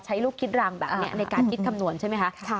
ลูกคิดรังแบบนี้ในการคิดคำนวณใช่ไหมคะ